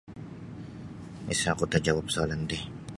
Isa oku tajawab soalan ti.